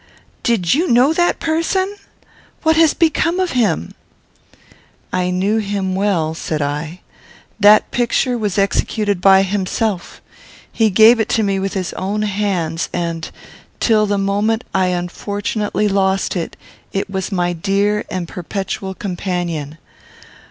Did you know that person? What has become of him?" "I knew him well," said I. "That picture was executed by himself. He gave it to me with his own hands; and, till the moment I unfortunately lost it, it was my dear and perpetual companion."